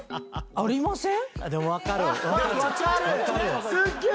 ありません？